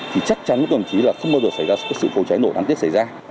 thì chắc chắn với các đồng chí là không bao giờ xảy ra sự cố cháy nổ đáng tiếc xảy ra